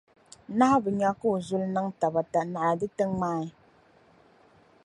Nahu bi nya ka o zuli niŋ tabata naɣila di ti ŋmaai.